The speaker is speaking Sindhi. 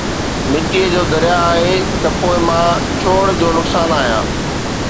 مئي جو درياءُ آهي ته پوءِ مان ڇوڙ جو نقصان آهيان